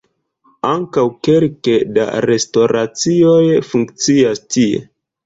Ankaŭ kelke da restoracioj funkcias tie.